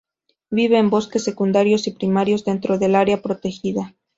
Vive en bosques secundarios y primarios dentro del área protegida.